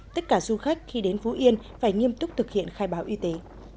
tất cả du khách khi đến phú yên phải nghiêm túc thực hiện khai báo y tế